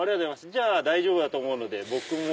じゃあ大丈夫だと思うので僕も。